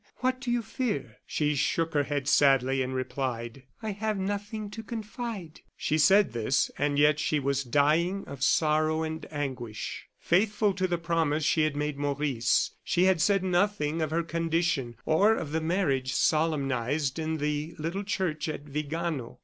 What do you fear?" She shook her head sadly and replied: "I have nothing to confide." She said this, and yet she was dying of sorrow and anguish. Faithful to the promise she had made Maurice, she had said nothing of her condition, or of the marriage solemnized in the little church at Vigano.